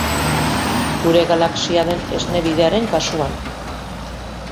Gure galaxia den Esne Bidearen kasuan.